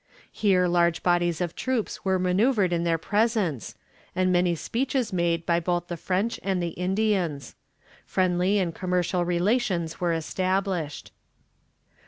Here large bodies of troops were maneuvered in their presence, and many speeches made by both the French and the Indians. Friendly and commercial relations were established.